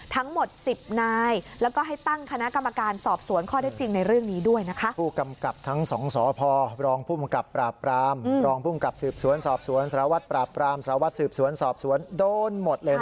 ทั้งหมดสิบนายแล้วก็ให้ตั้งคณะกรรมการสอบสวน